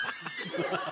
ハハハハ！